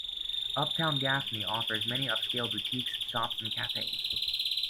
Uptown Gaffney offers many upscale boutiques, shops and cafes.